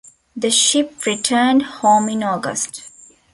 The ship returned home in August.